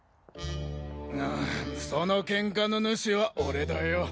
ああそのケンカの主は俺だよ。